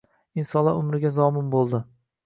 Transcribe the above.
Insonlar umriga zomin boʻldi